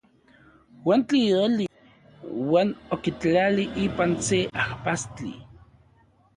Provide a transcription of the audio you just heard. Uan tlioli uan okitlali ipan se ajpastli.